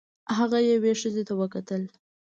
هغه یوې ښځې ته وکتل.